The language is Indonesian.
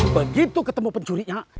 begitu ketemu pencurinya